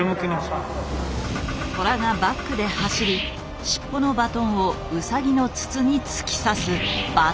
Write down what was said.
トラがバックで走り尻尾のバトンをウサギの筒に突き刺すバトンパス。